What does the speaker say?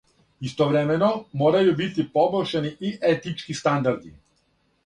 Истовремено, морају бити побољшани и етички стандарди.